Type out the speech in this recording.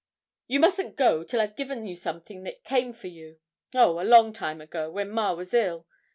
'You mustn't go till I've given you something that came for you oh, a long time ago, when ma was ill.